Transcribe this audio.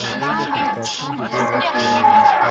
ته په څه منډي وهې موړ يې له ځانه.